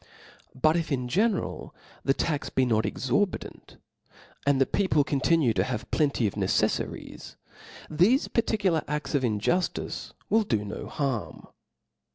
Bqt if in general the tax be not exorbitant, aqd the people continue to have plenty of neceflaries, thefe particular a&s of in« juftice will do no harm.